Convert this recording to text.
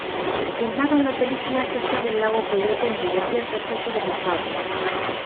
Filmaron la película cerca del lago Coyote en el desierto seco de Mojave.